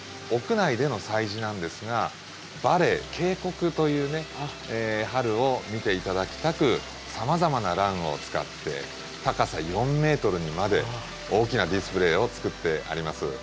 屋内での催事なんですが「Ｖａｌｌｅｙ」渓谷というね春を見て頂きたくさまざまなランを使って高さ４ｍにまで大きなディスプレーをつくってあります。